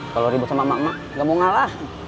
kalau ribut sama emak emak gak mau ngalah